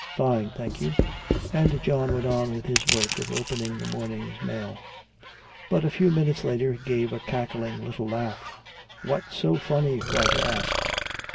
"Fine, thank you." And John went on with his work of opening the morning's mail. But a few minutes later he gave a cackling little laugh. "What's so funny?" Roger asked.